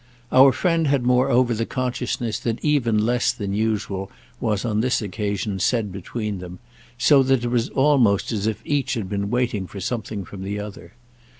Our friend had moreover the consciousness that even less than usual was on this occasion said between them, so that it was almost as if each had been waiting for something from the other.